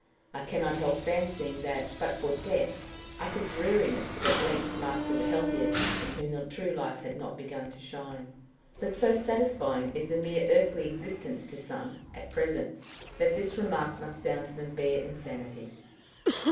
I can not help fancying that, but for death, utter dreariness would at length master the healthiest in whom the true life has not begun to shine. But so satisfying is the mere earthly existence to some at present, that this remark must sound to them bare insanity.